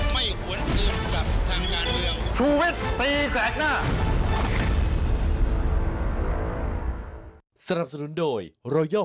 ไม่หวนอื่นกับทางงานเรื่อง